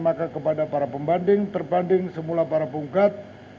maka kepada para pembanding terbanding semula para punggat